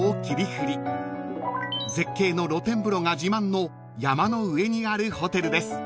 ［絶景の露天風呂が自慢の山の上にあるホテルです］